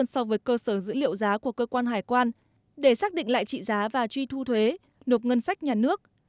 so với cơ sở dữ liệu giá của cơ quan hải quan để xác định lại trị giá và truy thu thuế nộp ngân sách nhà nước